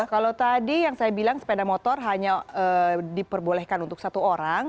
kalau tadi yang saya bilang sepeda motor hanya diperbolehkan untuk satu orang